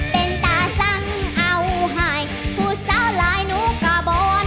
เป็นตาสังเอาหายผู้สาวลายหนูกระบอน